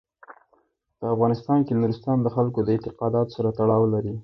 په افغانستان کې نورستان د خلکو د اعتقاداتو سره تړاو لري.